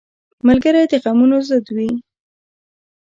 ملګری د غمونو ضد وي